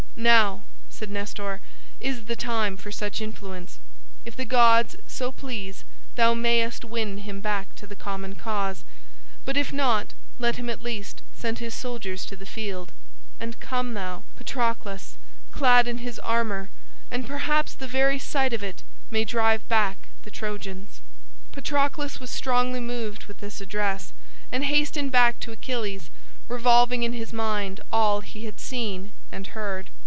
"Now," said Nestor, "is the time for such influence. If the gods so please, thou mayest win him back to the common cause; but if not let him at least send his soldiers to the field, and come thou, Patroclus, clad in his armor, and perhaps the very sight of it may drive back the Trojans." Patroclus was strongly moved with this address, and hastened back to Achilles, revolving in his mind all he had seen and heard.